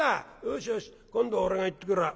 「よしよし今度は俺が行ってくらあ。